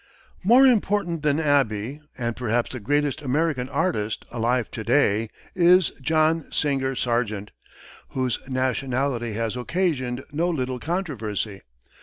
More important than Abbey, and perhaps the greatest American artist alive to day is John Singer Sargent, whose nationality has occasioned no little controversy.